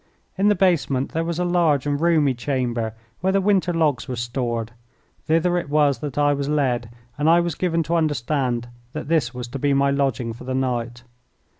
In the basement there was a large and roomy chamber, where the winter logs were stored. Thither it was that I was led, and I was given to understand that this was to be my lodging for the night.